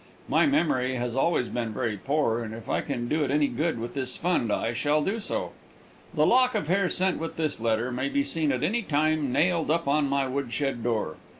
My memory has always been very poor, and if I can do it any good with this fund I shall do so. The lock of hair sent with this letter may be seen at any time nailed up on my woodshed door.